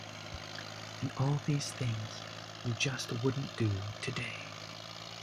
And all these things you just wouldn't do today.